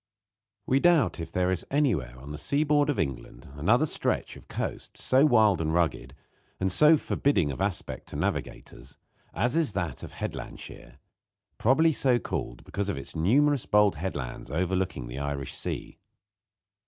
We doubt if there is anywhere on the sea board of England another stretch of coast so wild and rugged, and so forbidding of aspect to navigators, as is that of Headlandshire probably so called because of its numerous bold headlands overlooking the Irish Sea.